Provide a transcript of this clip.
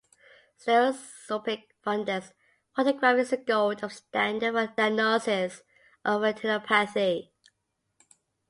Stereoscopic fundus photography is the gold standard for the diagnosis of retinopathy.